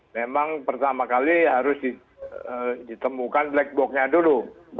memang pertama kali harus ditemukan black box nya dulu